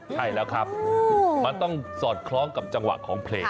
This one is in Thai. ใช่แล้วครับมันต้องสอดคล้องกับจังหวะของเพลง